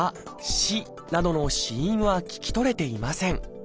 「し」などの子音は聞き取れていません。